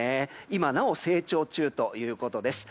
今なお成長中ということです。